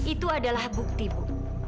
itu adalah bukti bu